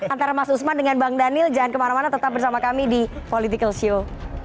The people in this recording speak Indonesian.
antara mas usman dengan bang daniel jangan kemana mana tetap bersama kami di political show